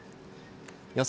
予想